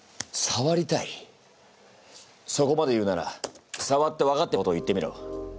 さわりたいそこまで言うならさわって分かったことを言ってみろ。